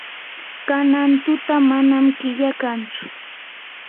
kanan tuta manam killa kantsu.